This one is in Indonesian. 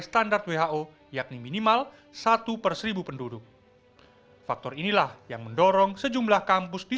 standar who yakni minimal satu perseribu penduduk faktor inilah yang mendorong sejumlah kampus di